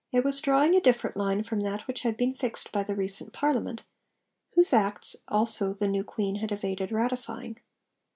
It was drawing a different line from that which had been fixed by the recent Parliament, whose Acts also the new Queen had evaded ratifying.